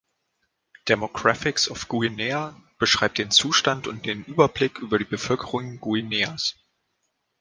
Demographics of Guinea beschreibt den Zustand und den Überblick über die Bevölkerung Guineas.